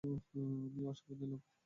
আমিও আশীর্বাদ নিলাম।